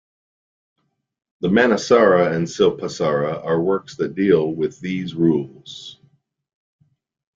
The Manasara and Silpasara are works that deal with these rules.